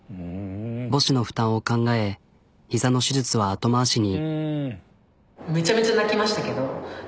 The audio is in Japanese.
母子の負担を考え膝の手術は後回しに。